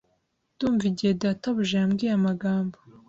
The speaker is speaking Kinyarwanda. Ndumva igihe databuja yambwiye amagambo